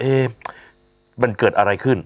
เอ๊ะมันเกิดอะไรขึ้น